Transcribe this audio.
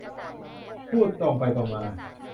พูดตรงไปตรงมา